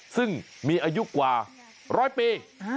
ซึ่งมีอายุกว่า๑๐๐ปี